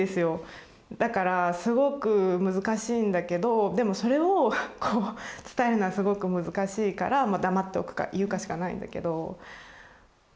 だからすごく難しいんだけどでもそれを伝えるのはすごく難しいから黙っとくか言うかしかないんだけど。